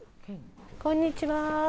こんにちは。